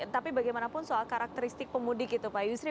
tapi bagaimanapun soal karakteristik pemudik itu pak yusri